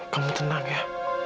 kamu tenang ya